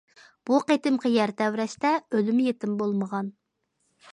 بۇ قېتىمقى يەر تەۋرەشتە ئۆلۈم- يېتىم بولمىغان.